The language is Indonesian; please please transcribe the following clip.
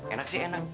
enak sih enak